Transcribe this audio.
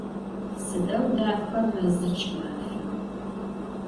Sıdeu daxa mezır ç'ımafem!